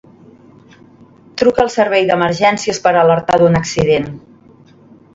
Truca al Servei d'Emergències per alertar d'un accident.